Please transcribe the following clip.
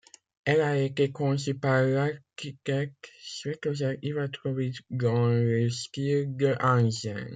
Elle a été conçue par l'architecte Svetozar Ivačković dans le style de Hansen.